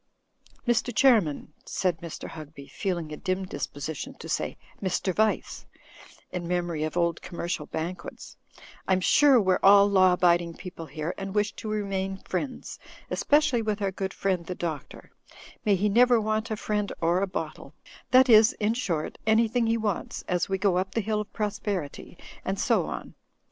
"Mr. Qiairman," said Mr. Hugby, feeling a dim disposition to say "Mr. Vice," in memory of old com mercial banquets, "I'm sure , we're all law abiding people here, and wish to remain friends, especially with our good friend the Doctor ; may he never want a friend or a bottle — ^that is in short, anything he wants, as we go up the hill of prosperity, and so on.